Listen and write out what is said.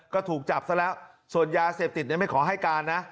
ก็ถูกจับซะแล้วส่วนยาเสพติดไม่ขอให้การนะ